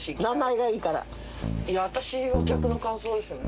いや私は逆の感想ですよね。